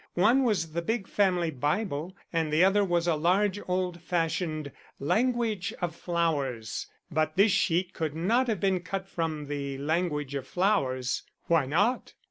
One was the big family Bible, and the other was a large, old fashioned Language of Flowers. But this sheet could not have been cut from The Language of Flowers." "Why not?"